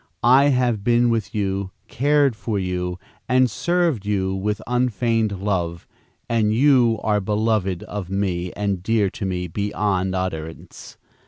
I have been with you, cared for you, and served you with unfeigned love, and you are beloved of me and dear to me beyond utterance.